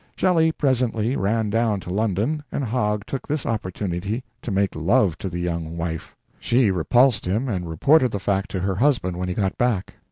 Shelley presently ran down to London, and Hogg took this opportunity to make love to the young wife. She repulsed him, and reported the fact to her husband when he got back.